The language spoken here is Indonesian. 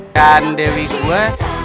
kan dewi gue